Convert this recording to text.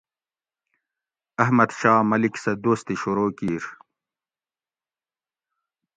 احمد شاہ ملیک سہ دوستی شروع کیر